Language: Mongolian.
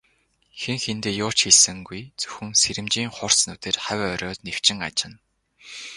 Хэн хэндээ юу ч хэлсэнгүй, зөвхөн сэрэмжийн хурц нүдээр хавь ойроо нэвчин ажна.